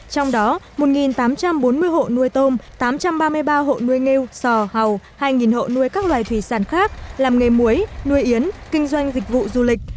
trong đó một tám trăm bốn mươi hộ nuôi tôm tám trăm ba mươi ba hộ nuôi nghêu sò hào hai hộ nuôi các loài thủy sản khác làm nghề muối nuôi yến kinh doanh dịch vụ du lịch